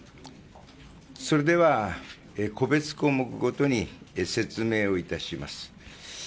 それでは、個別項目ごとに説明をいたします。